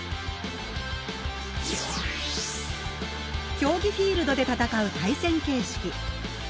競技フィールドで戦う対戦形式。